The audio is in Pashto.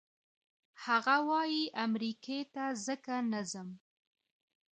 هغه وايي امریکې ته ځکه نه ځم.